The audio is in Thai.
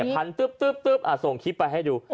คันตึ๊บส่งคลิปไปให้ดู